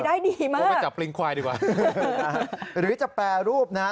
ได้ดีมากเอาไปจับปลิงควายดีกว่าหรือจะแปรรูปนะฮะ